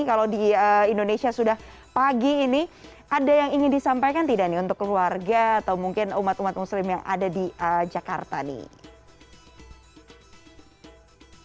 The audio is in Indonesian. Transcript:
kalau di indonesia sudah pagi ini ada yang ingin disampaikan tidak nih untuk keluarga atau mungkin umat umat muslim yang ada di jakarta nih